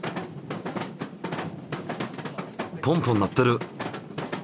ポンポン鳴ってる！